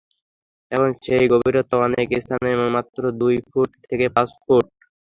এখন সেই গভীরতা অনেক স্থানে মাত্র দুই ফুট থেকে পাঁচ ফুট।